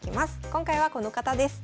今回はこの方です。